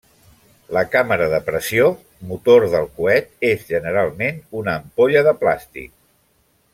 La càmera de pressió, motor del coet, és generalment una ampolla de plàstic.